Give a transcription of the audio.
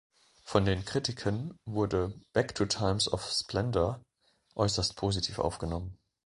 Von den Kritiken wurde "Back to Times of Splendor" äußerst positiv aufgenommen.